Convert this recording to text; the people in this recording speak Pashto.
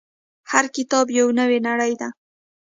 • هر کتاب یو نوی نړۍ ده.